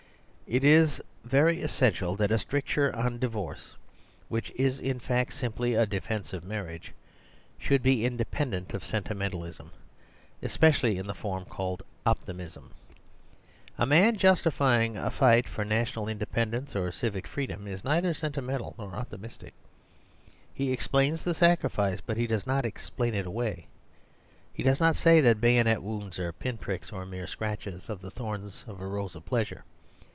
It is very essential that a stricture on di vorce, which is in fact simply a defence of marriage, should be independent of sentimen talism, especially in the form called optimism. A man justifying a fight for national indepen dence or civic freedom is neither sentimental nor optimistic. He explains the sacrifice, but he does not explain it away. He does not say that bayonet wounds are pin pricks, or mere scratches of the thorns on the rose of pleas ure.